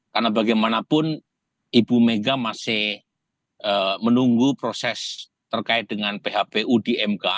karena bagaimanapun ibu mega masih menunggu proses terkait dengan phpu di mk